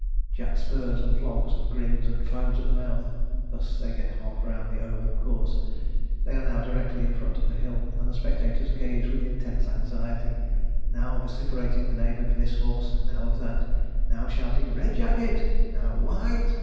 Jack spurs and flogs, and grins and foams at the mouth. Thus they get half round the oval course. They are now directly in front of the hill, and the spectators gaze with intense anxiety; now vociferating the name of this horse, now of that; now shouting 'Red jacket!' now 'White!'